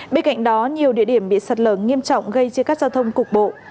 bên cạnh đó nhiều địa điểm bị sạt lở nghiêm trọng gây chia cắt giao thông cục bộ